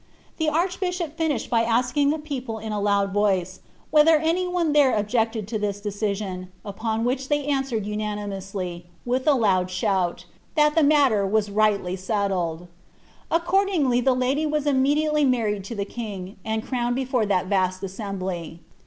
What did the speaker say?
The archbbhop tiuished by asking the people iu a land Toice, whether any one there objected to this decision, upon which they answered unanimously, with a loud shoui, ' that the matter was rightly settled.' Accordingly the lady was immediately married to the king, and crowned before thai vast assembly."